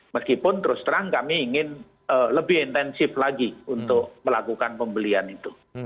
meskipun terus terang kami ingin lebih intensif lagi untuk melakukan pembelian itu